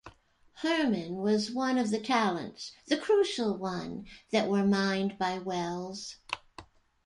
Herman was one of the talents, the crucial one, that were mined by Welles.